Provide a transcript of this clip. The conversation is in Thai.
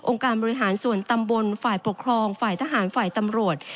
การบริหารส่วนตำบลฝ่ายปกครองฝ่ายทหารฝ่ายตำรวจ